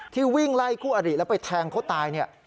ที่วิ่งไล่คู่อริแล้วไปแทงเขาตาย